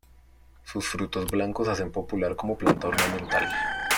Sus frutos blancos hacen popular como planta ornamental.